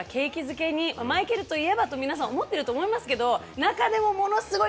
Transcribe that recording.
マイケルといえばと皆さん思ってると思いますけど中でもものすごい。